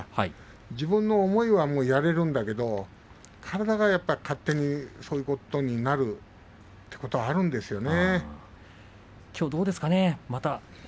自分の思いはやれるんだけど体が勝手にそういうことになるきょうはどうですかね。